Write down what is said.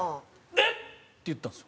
「えっ！」って言ったんです